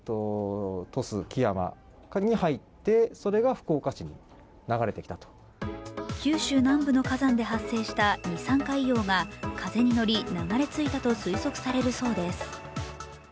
専門家によると九州南部の火山で発生した二酸化硫黄が風に乗り、流れ着いたと推測されるそうです。